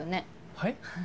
はい？